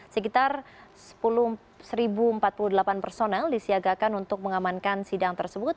sekitar satu empat puluh delapan personel disiagakan untuk mengamankan sidang tersebut